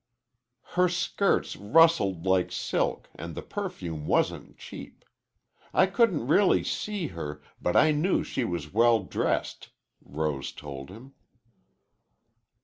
"Her skirts rustled like silk and the perfume wasn't cheap. I couldn't really see her, but I knew she was well dressed," Rose told him.